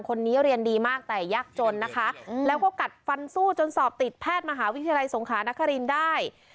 คนนี้เรียนดีมากแต่ยากจนนะคะแล้วก็กัดฟันสู้จนสอบติดแพทย์มหาวิทยาลัยสงขานครินได้